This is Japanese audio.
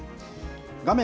画面